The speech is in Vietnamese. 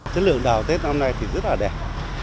chất lượng đào tết năm nay thì rất là đẹp